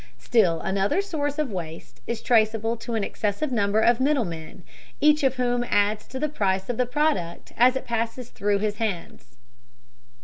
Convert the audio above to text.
Still another source of waste is traceable to an excessive number of middlemen, each of whom adds to the price of the product as it passes through his hands.